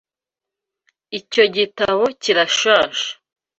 Icyo gitabo kirashaje.